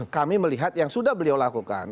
kami melihat yang sudah beliau lakukan